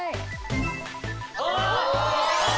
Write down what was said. あっ！